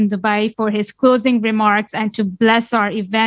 untuk ucapan terakhir dan memberi berkat untuk acara kami